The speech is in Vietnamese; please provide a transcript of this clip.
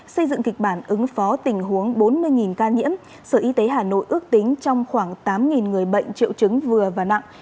xây dựng kịch bản ứng phó tình huống bốn mươi ca nhiễm sở y tế hà nội ước tính trong khoảng tám người bệnh triệu chứng vừa và nặng